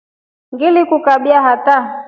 Ngilikukabia hataa.